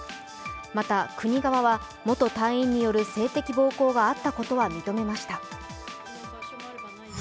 また、国側は元隊員による性的暴行があったことは認めました。